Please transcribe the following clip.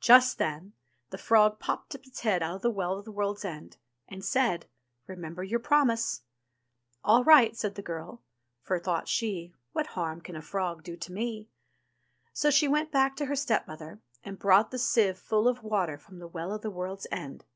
Just then the frog popped up its head out of the Well of the World's End, and said, "Remember your promise." THE WELL OF THE WORLD'S END 353 "All right," said the girl; for, thought she, "what harm can a frog do me ?'* So she went back to her stepmother, and brought the sieve full of water from the Well of the World's End.